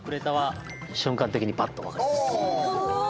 瞬間的にパッと分かりました。